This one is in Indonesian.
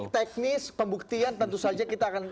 oke teknis pembuktian tentu saja kita